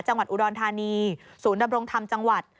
จังหวัดอุดรธานีศูนย์ดำรงธรรมจังหวัด